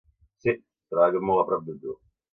Sí, treballo molt a prop de tu.